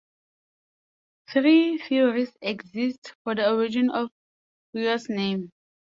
Three theories exist for the origin of Riau's name.